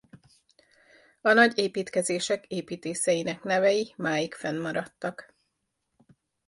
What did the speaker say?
A nagy építkezések építészeinek nevei máig fennmaradtak.